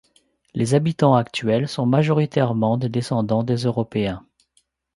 Les habitants actuels sont majoritairement des descendants des européens.